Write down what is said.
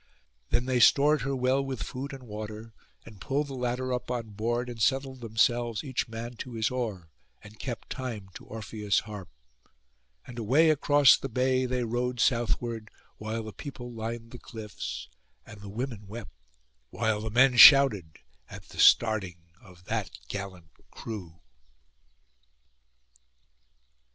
Then they stored her well with food and water, and pulled the ladder up on board, and settled themselves each man to his oar, and kept time to Orpheus' harp; and away across the bay they rowed southward, while the people lined the cliffs; and the women wept, while the men shouted, at the starting of that gallant crew.